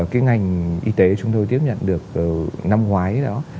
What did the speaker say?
cái ngành y tế chúng tôi tiếp nhận được năm ngoái đó